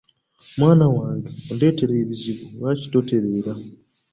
Mwana wange onondeetera ebizibu lwaki totereera?